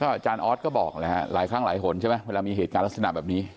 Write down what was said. อาจารย์ออสก็บอกนะฮะหลายครั้งหลายหนใช่ไหมเวลามีเหตุการณ์ลักษณะแบบนี้